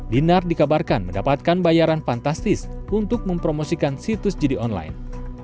dinar dikabarkan mendapatkan bayaran fantastis untuk mempromosikan situs judi online